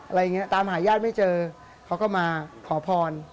อะไรอย่างนี้ตามหาญาติไม่เจอเขาก็มาขอพร